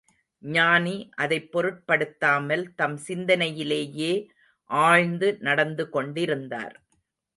ஞானி அதைப் பொருட்படுத்தாமல், தம் சிந்தனையிலேயே ஆழ்ந்து நடந்து கொண்டிருந்தார்.